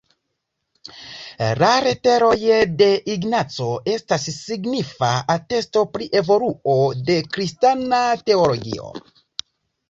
La Leteroj de Ignaco estas signifa atesto pri evoluo de kristana teologio.